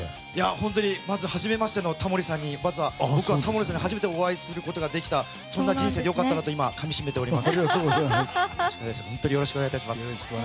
本当にまずはじめましてのタモリさんに僕はタモリさんに初めてお会いすることができたそんな人生で良かったなと今かみしめてております。